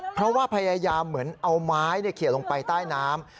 เพราะว่าพยายามเหมือนเอาไม้เขียนลงไปใต้น้ำ